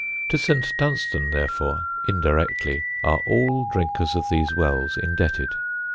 To St. Dunstan therefore, indirectly, are all drinkers of these wells indebted.